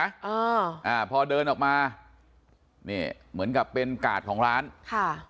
อ่าอ่าพอเดินออกมานี่เหมือนกับเป็นกาดของร้านค่ะ